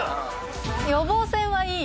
「予防線はいいよ」？